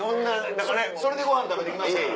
それでご飯食べてきましたから。